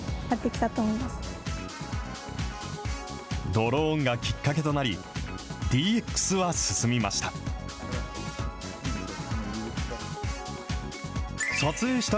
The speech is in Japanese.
ドローンがきっかけとなり、ＤＸは進みました。